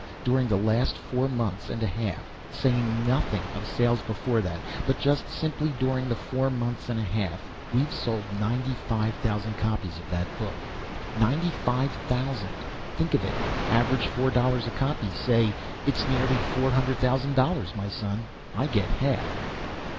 During the last four months and a half, saying nothing of sales before that, but just simply during the four months and a half, we've sold ninety five thousand copies of that book. Ninety five thousand! Think of it. Average four dollars a copy, say. It's nearly four hundred thousand dollars, my son. I get half."